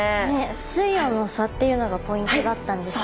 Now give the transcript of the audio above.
水温の差っていうのがポイントだったんですね。